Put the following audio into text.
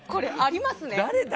誰だ？